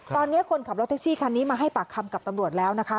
ตอนนี้คนขับรถแท็กซี่คันนี้มาให้ปากคำกับตำรวจแล้วนะคะ